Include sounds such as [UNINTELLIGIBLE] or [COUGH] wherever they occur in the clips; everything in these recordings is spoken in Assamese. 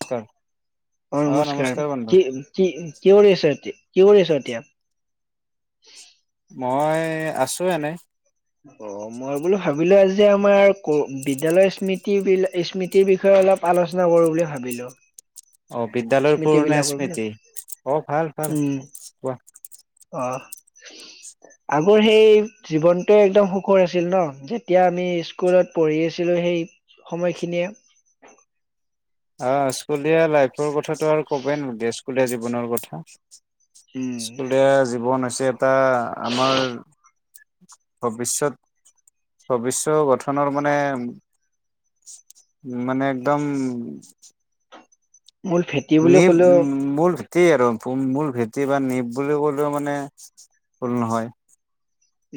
নমস্কাৰ অ', অ নমস্কাৰ বন্ধু কি-কি-কি কৰি আছা এতিয়া? কি কৰি আছা এতিয়া? [UNINTELLIGIBLE] মই আছোঁ এনেই। অ', মই বোলো ভাবিলে আজ যে আমাৰ ক, বিদ্যালয় স্মৃতিবিলা স্মৃতি বিষয়ে অলপ আলোচনা কৰো বুলি ভাবিলো। অ', বিদ্যালয়ৰ স্মৃতি পুৰণা বিলাকৰ বোলে স্মৃতি। অ', ভাল ভাল উম কোৱা। অ আগৰ সেই জীৱনটোৱে একদম সুখৰ আছিল। ন', যেতিয়া আমি স্কুলত পঢ়ি আছিলো সেই সময়খিনিয়ে। অ', স্কুলীয়া লাইফ। তৰ কথাটো আৰু ক'বায়ে নালগে চো স্কুলীয়া জীৱনৰ কথা। উম স্কুলীয়া জীৱন হৈছে। টা আমাৰ। ভবিষ্যত-ভবিষ্য ৰ গঠনৰ মানে উম, মানে একদম। মূল ভেটি বুলিও কলেও। তে আৰু ফুম মূল ভেটি বা নিপ বুলি ক'লেও মানে ভুল নহয়।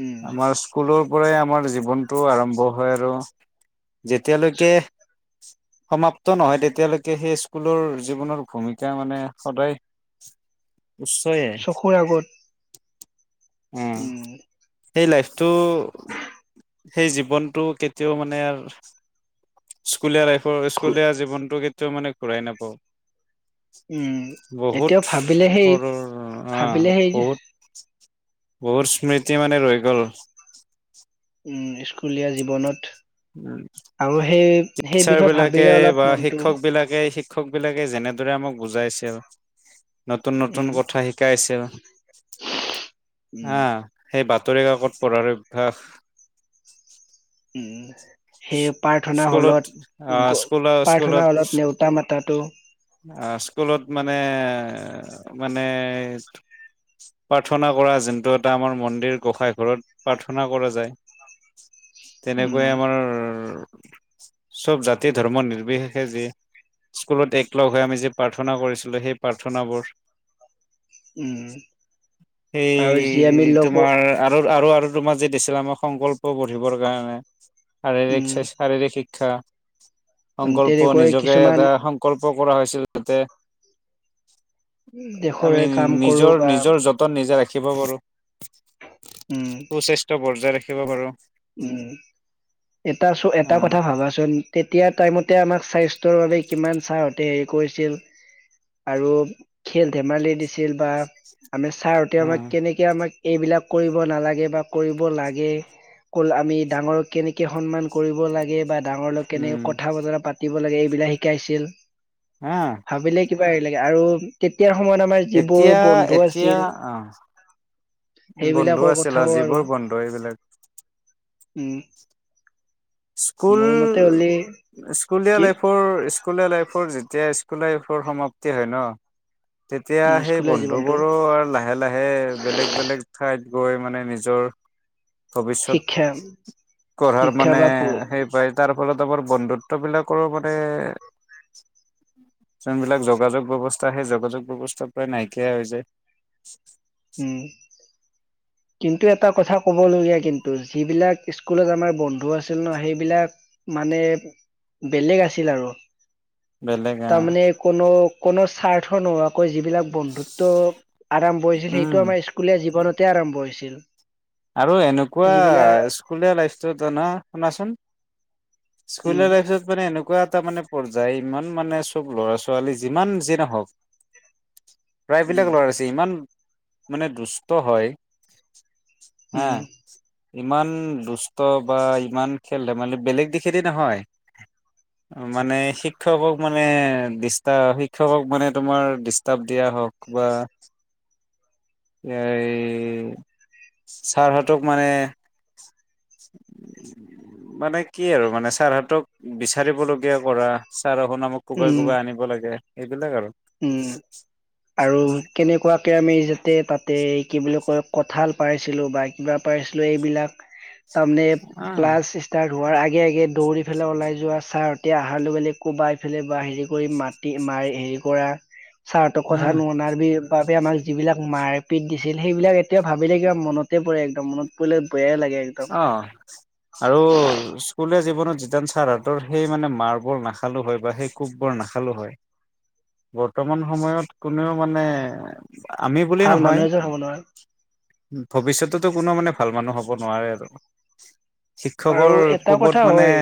উম আমাৰ স্কুলৰ পৰাই আমাৰ জীৱনটো আৰম্ভ হয়। আৰু যেতিয়ালৈকে। সমাপ্ত নহয়। তেতিয়ালৈকে সেই স্কুলৰ জীৱনৰ ভূমিকা মানে সদায়। উচ্চয়ে। চকুৰ আগত উম, সেই লাইফটো সেই জীৱনটো কেতিয়াও মানে আৰ, স্কুলীয়া লাইফৰ স্কুলীয়া জীৱনটো। মানে ঘূৰাই নাপাও। উম, এতিয়াও ভাবিলে, সেই সৰু ভাবিলে সেই যে [INAUDIBLE] বহুৰ স্মৃতি মানে ৰৈ গ'ল। স্কুলীয়া জীৱনত। আৰু সেই সেই টিতচাৰ বিষয়ে বিলাকে ভাবিলে অলপ বা মনটো শিক্ষক বিলাকে শ শিক্ষক বিলাকে যেনেদৰে আমাক বুজাইছিল। উম নতুন-নতুন কথা শিকাইছিল অ' উম সেইবাত। বতৰি কাকত পঢ়াৰ অভ্যাস। উম, সেই প্ৰাৰ্থনা স্কুলত হলত আহ স্কুলৰ প্ৰাৰ্থনা স্কুলত হলত নেওতা মাতাটো। স্কুলত মানে-মানে প্ৰাৰ্থনা কৰা যোনটো এটা আমাৰ মন্দিৰ গোঁসাঁইঘৰত প্ৰাৰ্থনা কৰা যায়। উম তেনেকুৱাই আমাৰ, চব জাতি ধৰ্ম নিৰ্বশেষে যি স্কুলত এক লগ হৈ আমি যি প্ৰাৰ্থনা কৰিছিলোঁ সেই প্ৰাৰ্থনাবোৰ। উম সেই আৰু যি আমি লগ তোমাৰ আৰু আৰু-আৰু তোমাৰ যে দিছিলা আমাৰ সংকল্প পঢ়িবৰ কাৰণে। উম শাৰীৰিক-শাৰীৰিক শি [UNINTELLIGIBLE] সংকল্প তেনেকৈ নিজকে কিছুমান এটা সংকল্প নকৰা হৈছিল যে আমি দেশৰে কাম কৰো নিজৰ, বা নিজৰ যতন নিজে ৰাখি শিকিব পাৰোঁ। উম [UNINTELLIGIBLE] ত' চেষ্টা কৰি বজাই ৰাখিব পাৰো। উম, এটা চ' এটা কথা ভাবাচোন তেতিয়া টাইমত তেতিয়া আমাক স্বাস্থ্যৰ বাবে কিমান ছাৰ হঁতে হেৰি কৰিছিল আৰু খেল ধেমালি দিছিল বা আমি, ছাৰ হঁতে তে অ অ আমাক কেনেকে আমাক এইবিলাক কৰিব নালাগে বা কৰিব লাগে ক'লে আমি ডাঙৰক কেনেকে সন্মান কৰিব লাগে বা ডাঙৰ লগত উম কেনেক কথা বতৰা পাতিব লাগে এইবিলাক শিকাইছিল। হা! ভাবিলে কিবা হেৰি লাগে আৰু কেতিয়া এসময়ত আমাৰ এতিয়া যিবোৰ বন্ধু এতিয়া আছিল অ বন্ধু সেইবিলাকৰ আছিল কথাও আৰু যিবোৰ বন্ধু এইবিলাক উম! স্কুল, মোৰ মতে হ'লে স্কুলীয়া কি লাইফৰ স্কুলীয়া লাইফৰ যেতিয়া স্কুল লাইফৰ সমাপ্তি হয় ন' তেতিয়া উম সেই, স্কুলীয়া বন্ধু জীৱনটো বোৰো আৰু লাহে লাহে বেলেগ বেলেগ ঠাইত গৈ মানে নিজৰ ভৱিষ্যত শিক্ষা গঢ়াৰ শিক্ষা মানে বা সেই উম পাই তাৰ ফলত আমাৰ বন্ধুত্ববিলাকৰো মানে, যোনবিলাক যোগাযোগ ব্যৱস্থা সেই যোগাযোগ ব্যৱস্থা প্ৰায় নাইকিয়া হৈ যায়। উম! কিন্তু, এটা কথা ক'বলগীয়া কিন্তু, যিবিলাক স্কুলত আমাৰ বন্ধু আছিল ন' সেইবিলাক মানে বেলেগ আছিল আৰু। বেলেগ আহ তাৰমানে কোনো কোনো স্বাৰ্থ নোহোৱাকৈ যি বিলাক বন্ধুত্ব আৰম্ভ হৈছিল। সেইটো উম আমাৰ স্কুলীয়া জীৱনত তে আৰম্ভ হৈ ছিল। আৰু এনেকুৱা স্কুলীয়া লাইফটোত ন শুনাচোন। সকুল উম লাইফটোত মানে এনে এনেকুৱা এটা মানে পৰ্যায় ইমান মানে চব ল'ৰা ছোৱালী যিমান যি নহওক। উম প্ৰায়বিলাক ল'ৰাছে ইমান। মানে দুস্থ হয়। হাহ উম ', ইমান দুষ্ট বা ইমান খেল ধেমালি বেলেগ দিশেদি নহয় মানে শিক্ষকক মানে দিষ্ট শিক্ষকক মানে তোমাৰ ডিষ্টাৰ্ব দিয়া হওক বা এই ছাৰহতক মানে। মানে কি আৰু মানে ছাৰহতক বিচাৰিবলগীয়া কৰা। চাৰ শুন আ ম কোবাই - উম কোবাই আনিব লাগে। এইবিলাক আৰু। উম', আৰু কেনেকুৱা আমি যে তাতে- তাতে কি বুলি কয় কঁঠাল পাইছিলো বা কিবা পাইছিলো এইবিলাক। তনে ক্লাছ ষ্টাৰ্ট ধোৱাৰ আগ আগে- আগে দৌৰি পেলাই ওলাই যোৱা ছাৰ্ট এতিয়া অহাৰ লগে - লগে কোবাই ফেলে বা হেৰি কৰি মাটি মাৰি হেৰি কৰা চাৰহঁতৰ অ অ কথা নুশুনা আৰু বি বাবে আমাক যিবিলাক মাৰপিট দিছিল সেইবিলাক এতিয়াও ভাবিলে কিবা মনতে পৰে একদম মনত পৰিলে। বেয়াই লাগে একদম অহ ', আৰু স্কুল জীৱনত যিতান চাৰ হাতৰ সেই মানে মাৰবোৰ নাখালো হয় বা সেই কোপবোৰ নাখালো হয় বৰ্তমান সময়ত কোনেও মানে। আমি ভাল মানুহ এজন হ'ব নোৱাৰে। ভৱিষ্যতো কোনো মানে ভাল মানুহ হ'ব। নোৱাৰে আৰু। আৰু শিক্ষকৰ এটা কথা কোবত মানে। হয়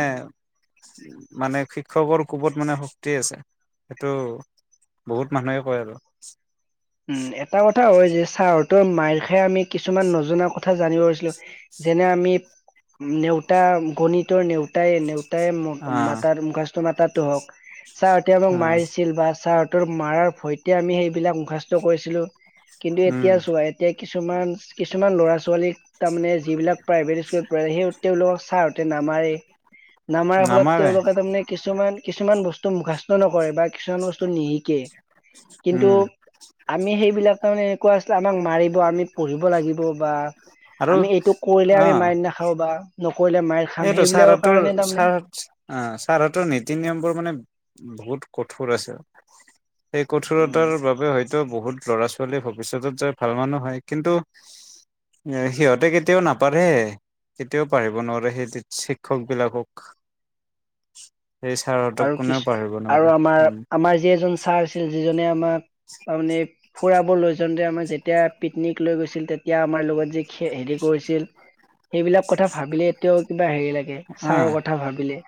মানে শিক্ষকৰ কোবত মানে শক্তি আছে সেইটো বহুত মানুহে কয় আৰু। উম', এটা কথা হয় যে চাৰ। ত মাইৰ খাই আমি। কিছুমান নজনা কথা জানিব পাৰিছিলো যেনে আমি নেউতা গণিত। নেউতাইে নে তাই অ মাতাৰ মুখস্থ মাতাত টক। ছাৰহতে মোক অ মাৰিছিল বা ছাৰ তোৰ মাৰ ভৈতে আমি সেইবিলাক [UNINTELLIGIBLE] [UNINTELLIGIBLE] কৰিছিলোঁ। কিন্তু উম এতিয়া চোৱা, এতিয়া কিছুমান কিছুমান ল'ৰা ছোৱালীক তাৰমানে যিবিলাক প্ৰাইভেট স্কুলত পঢ়ে, সেই তেওঁলোকৰ ছাৰ হতে নামাৰে, নামাৰাৰ ফলত নামাৰে তেওঁলোকে তাৰমানে কিছুমান কিছুমান বস্তু মুখাস্ত নকৰে বা কিছুমান বস্তু নিহিকে, কিন্তু উম এইবিলাক তাৰমানে এনেুকোৱা আমাক মাৰিব, আমি পঢ়িব লাগিব বা আৰু আমি এইটো কৰিলে অ আমি মাৰি নাখাওঁ বা নকৰিলে মাইৰ খাম সেইটো সেইবিলাকৰ ছাৰহঁতৰ কাৰণে তাৰমানে ছাৰ অ', ছাৰহঁতৰ নীতি নিয়মবোৰ মানে বহুত কঠোৰ আছে। এই উম কঠোৰতাৰ বাবে হয়তো বহুত ল'ৰা ছোৱালীয়ে ভবিষ্যতত যে ভাল মানুহ হয়। কিন্তু, সিহঁতে কেতিয়াও নাপঢ়ে, কেতিয়াও পাৰিব নোৱাৰে স শিক্ষক বিলাকক। সেই ছাৰহঁতক আৰু কোনেও কিছু, পাৰিব নোৱাৰে আৰু আমাৰ উম আমাৰ যি এজন ছাৰ আছিল যিজনে আমাক তাৰমানে ফুৰাবৰ লৈ যাওঁতে আমাৰ যেতিয়া, পিকনিক লৈ গৈছিল তেতিয়া আমাৰ লগত যে হেৰি কৰিছিল, সেইবিলাক কথা ভাবিলে এতিয়াও কিবা হেৰি লাগে, আহ ছাৰৰ কথা ভাবিলে।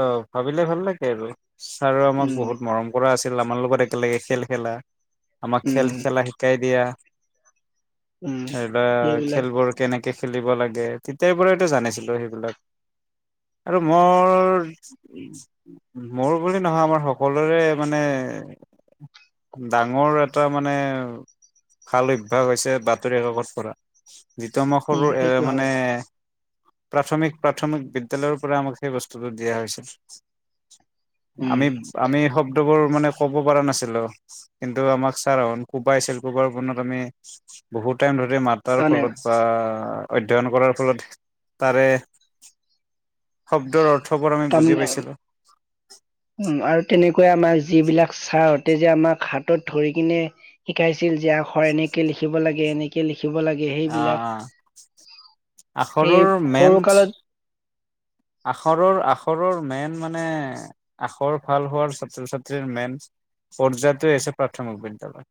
অ', ভাবিলে ভাল লাগে আৰু। ছাৰৰ আমাক উম বহুত মৰম কৰা আছিল আ আমাৰ লগত একেলগে খেল খেলা। আমাক উম খেল খেলা শিকাই দিয়া। উম [UNINTELLIGIBLE] সেইবিলাক খেলবোৰ কেনেকে খেলিব লাগে তেতিয়াৰ পৰাইতটো জানিছিলো সেইবিলাক। আৰু মই [UNINTELLIGIBLE] মোৰ বুলি নহয় আমাৰ সকলোৰে মানে, ডাঙৰ এটা মানে, ভাল অভ্যাস হৈছে বাতৰি কাকত পঢ়া। [UNINTELLIGIBLE] উম এ সেইটো মানে হয় প্ৰাথমিক-প্ৰাথমিক বিদ্যালয়ৰ পৰা আমাক সেই বস্তু চুলুত দিয়া হৈছিল। উম আমি, আমি শব্দবোৰ মানে ক'ব পাৰা নাছিলো কিন্তু আমাৰ চাৰ আহোন কোবাইছিল, কোবোৱাৰ ফলত আমি য়ে মাতাৰ তাৰমানে ফলত বা অ', অধ্যয়ন কৰাৰ ফলত তাৰে সত তাৰমানে, উম আৰু তেনেকা কৈ আমাৰ যিবিলাক চাৰ তে যে আমাক হাতত ধৰি কিনে শিকাইছে ছিল যে আখৰ এনেকে লিখিব লাগে এনেকে লিখ দেখিব লাগে আহ সেইবিলাক, সেই আখৰৰ সৰু মেইন কালত আখৰৰ- আখৰৰ মেন মানে আখৰ ভাল হোৱাৰ ছাত্ৰ ছাত্ৰীৰ মেইন পৰ্যায়তে হৈছে প্ৰাথমিক বিদ্যালয়।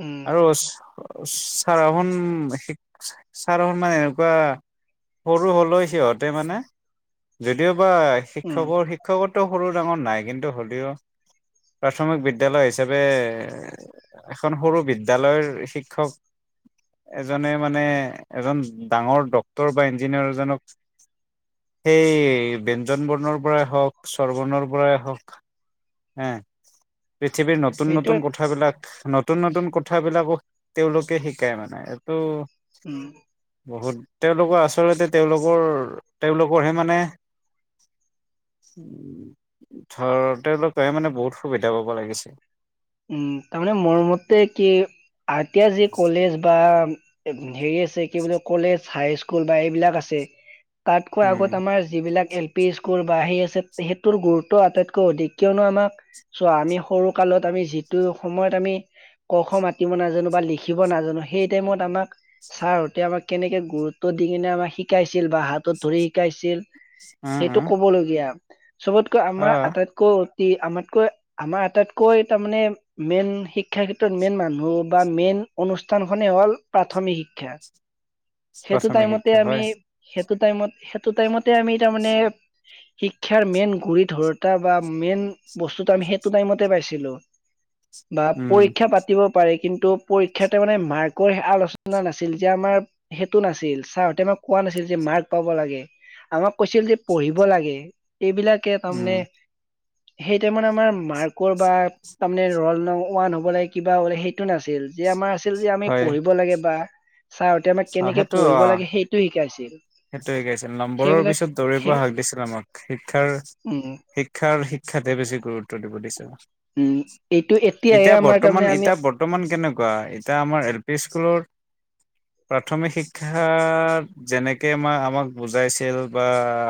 উম, আৰু ছাৰহন ছাৰহত মানে এনেকুৱা সৰু হ'লেও সিহঁতে মানে যদিও [UNINTELLIGIBLE] উম, শিক্ষকৰ শিক্ষকৰটো সৰু ডাঙৰ নাই কিন্তু হ'লেও, প্ৰাথমিক বিদ্যালয় হিচাপে এখন সৰু বিদ্যালয়ৰ শিক্ষক এজনে মানে এজন ডাঙৰ ড্ক্তৰ বা ইঞ্জিনিয়াৰ এজনক সেই ব্যঞ্জন বৰ্ণৰ পৰাই হওক, চৰ বৰ্ণৰ পৰাই হওক হে পৃথিৱীৰ নতুন- সেইটোৱে নতুন কথাবিলাক নতুন-নতুন কথাবিলাকো তেওঁলোকে শিকাই মানে এইটো উম বহুত তেওঁলোকৰ আচলতে তেওঁলোকৰ তেওঁলোকৰহে মানে, উম্ ধৰ তেওঁলোকেহে মানে বহুত সুবিধা পাব লাগিছে। উম, তাৰমানে মোৰ মতে কি, আ ৰ তিয়া যি কলেজ বা [UNINTELLIGIBLE] হেৰি আছে, কি বুলি কলেজ হাই স্কুল স্কুল বা এইবিলাক আছে। তাতকৈ উম আগত আমাৰ যিবিলাক এল পি স্কুল বা সেই আছে, সেইটোৰ গুৰুত্ব আটাইতকৈ অধিক, কিয়নো আমাক চোৱা আমি সৰু কালত আমি যিটো সময়ত আমি ক খ মাতিব নাজানো বা লিখিব নাজানো, সেই টাইমত আমাক ছাৰহতে আমাক কেনেকে গুৰুত্ব দি কিনে আমাক শিকাইছে ছিল বা হাতত ধৰি শিকাইছিল উম সেইটো উম ক'বলগীয়া। চবতকৈ আমাৰ আহ আটাইতকৈ আমাতকৈ আমাৰ আটাইতকৈ তাৰ মানে মেইন শিক্ষা ক্ষেত্ৰত মেইন মানুহ বা মেইন অনুষ্ঠানখনে হ'ল প্ৰাথমিক শিক্ষা। সেইটো প্ৰাথমিক টাইমতে শিক্ষা আমি হয় সেইটো টাইমত সেইটো টাইমতে আমি তাৰ মানে শিক্ষাৰ মেইন গুৰি ধৰোতা বা মেইন বস্তুটো আমি সেইটো টাইমতে পাইছিলো। বা উম পৰীক্ষা পাতিব পাৰে, কিন্তু ত' পৰীক্ষাটো মানে মাৰ্কৰ আলোচনা নাছিল যে আমাৰ সেইটো নাছিল, চাৰহতে আমাক কোৱা নাছিল যে মাৰ্ক পাব লাগে, আমাক কৈছিল যে পঢ়িব লাগে। এইবিলাকে উম তাৰমানে সেই টাইমত আমাৰ মাৰ্কৰ বা তাৰমানে ৰল নং ওৱান হ'ব লাগে কিবা হ'বা লাগে সেইটো নাছিল, যে আমাৰ যে আমি হয় পঢ়িব লাগে বা চাৰহতে অ কেনেকে সেইটো অ পঢ়িব লাগে সেইটো শিকাইছে। সেইটো শিকাইছিল নম্বৰৰ পিছত দৌৰিব সেই হাক দিছিল আমাক, শিক্ষাৰ উম শিক্ষাৰ শিক্ষাতহে বেছি গুৰুত্ব দিব দিছিল। উম এইটো এতিয়াহে এতিয়া আমাৰ বৰ্তমান তাৰমানে আমি এতিয়া বৰ্তমান কেনেকুৱা এতিয়া আমাৰ এল পি স্কুলৰ প্ৰাথমিক শিক্ষা যেনেক কে আমাক বুজাইছিল বা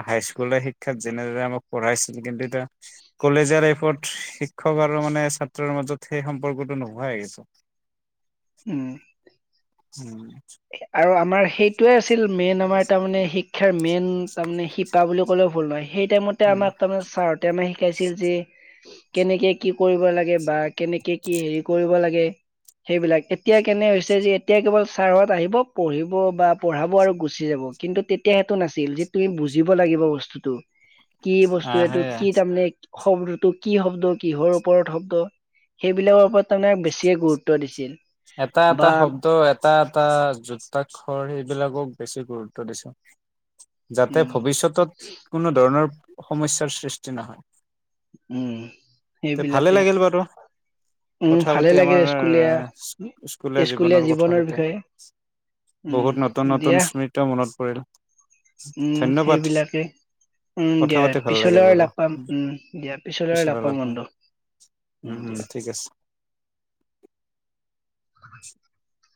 হাইস্কুল শিক্ষাত যেনে দৰে আমাক পঢ়াইছিল, কিন্তু এতিয়া কলেজৰ লাইফত শিক্ষক আৰু মানে ছাত্ৰৰ মাজত সেই সম্পৰ্কটো নোহোৱাই হৈ গেছে। উম উম। আৰু আমাৰ সেইটোয়ে আছিল মেইন আমাৰ তাৰমানে শিক্ষা শিক্ষাৰ মেইন তাৰমানে শিপা বুলি ক'লে ভুল নহয়। সেই টাইমতে আমাক তাৰমানে ছাৰতে আমাক শিকাইছিল যে কেনেকে কি কৰিব লাগে বা কেনেকে কি হেৰি কৰিব লাগে, সেইবিলাক এতিয়া কেনে হৈছে যে এতিয়া কেৱল ছাৰহঁত আহিব পঢ়িব বা পঢ়াব আৰু গুচি যাব, কিন্তু তেতিয়া সেইটো নাছিল যে তুমি বুজিব লাগিব বস্তুতটো। কি বস্তু আহ এইটো? সেয়া কি তাৰমানে? শব্দটো কি শব্দ কিহৰ ওপৰত শব্দ সেইবিলাকৰ ওপৰত তাৰমানে বেছিয়ে গুৰুত্ব দিছিল। এটা এটা বা শব্দ এটা এটা যুক্তা আখৰ সেইবিলাকক বেছি গুৰুত্ব দিছিল। যাতে উম ভৱিষ্যতত কোনো ধৰণৰ সমস্যাৰ সৃষ্টি নহয়। উম, তে ভালে সেইবিলাকে লাগিল বাৰু উম কথা ভালে পাতি লাগে আমাৰ স্কুলীয়া স্কুলীয়া জীৱনৰ কথা পাতি, উম বহুত নতুন দিয়া নতুন স্মৃৃত মনত পৰিল। উম ধন্যবাদ। সেইবিলাকে, উম কথা দিয়া পাতি ভাল লাগিল পিছলৈ আৰু বাৰু লগ পাম উম দিয়া পিছলৈ পিছত লগ অলপ পাম বন্ধু উম উম দিয়া। ঠিক আছে। [INAUDIBLE]